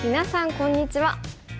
こんにちは。